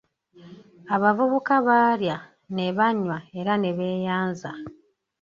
Abavubuka baalya, ne banywa era ne beeyanza.